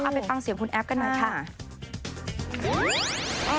ไปฟังเสียงคุณแอฟกันหน่อยค่ะ